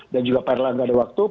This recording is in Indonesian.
dan juga pak erlang enggak ada waktu